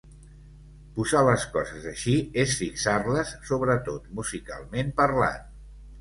Posar les coses així és fixar-les, sobretot musicalment parlant.